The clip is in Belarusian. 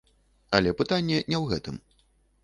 Але пытанне не ў гэтым.